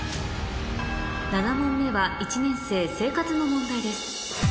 ７問目は１年生生活の問題です